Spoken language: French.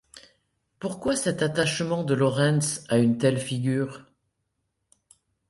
Pourquoi cet attachement de Laurens a une telle figure?